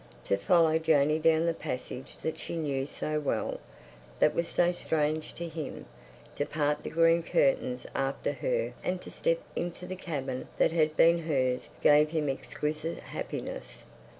To follow Janey down the passage that she knew so well—that was so strange to him; to part the green curtains after her and to step into the cabin that had been hers gave him exquisite happiness.